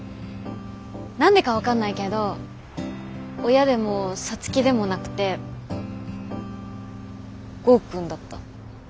何でか分かんないけど親でも皐月でもなくて剛くんだった。